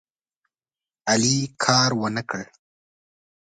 علي کار ونه کړ.